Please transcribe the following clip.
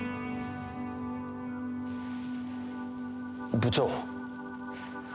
部長。